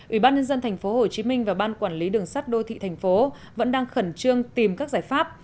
ủy ban nhân dân tp hcm và ban quản lý đường sắt đô thị thành phố vẫn đang khẩn trương tìm các giải pháp